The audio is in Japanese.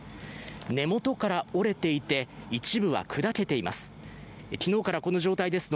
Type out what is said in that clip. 根元から折れていて、一部は砕けています。